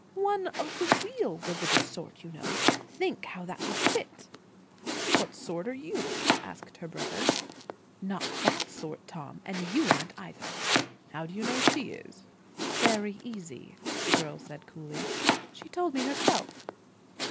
One of the real religious sort, you know. Think how that would fit." "What sort are you?" asked her brother. "Not that sort, Tom, and you aren't either." "How do you know she is?" "Very easy," said the girl coolly. "She told me herself."